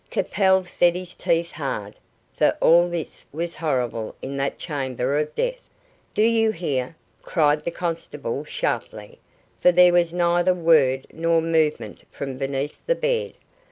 Capel set his teeth hard, for all this was horrible in that chamber of death. "Do you hear?" cried the constable, sharply, for there was neither word nor movement from beneath the bed.